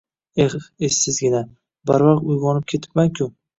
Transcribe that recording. — Eh, esizgina, barvaqt uyg‘onib ketibman-ku...